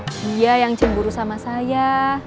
dia yang cemburu sama saya